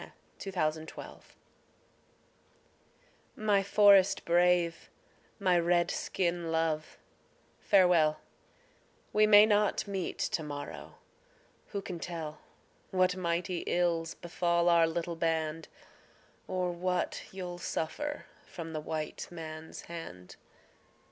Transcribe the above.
A CRY FROM AN INDIAN WIFE My forest brave, my Red skin love, farewell; We may not meet to morrow; who can tell What mighty ills befall our little band, Or what you'll suffer from the white man's hand?